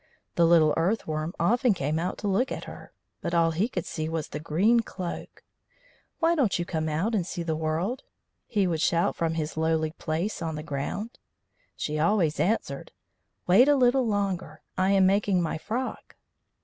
The little Earth worm often came out to look at her, but all he could see was the green cloak. "Why don't you come out and see the world?" he would shout from his lowly place on the ground. She always answered: "Wait a little longer. I am making my frock."